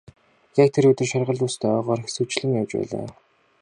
Яг тэр өдөр шаргал үст ойгоор хэсүүчлэн явж байлаа.